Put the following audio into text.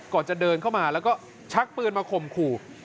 ก่อนจะเดินเข้ามาแล้วก็ชักปืนมาข่มขู่